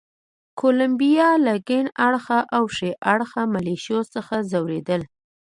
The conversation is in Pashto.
کولمبیایان له کیڼ اړخه او ښي اړخه ملېشو څخه ځورېدل.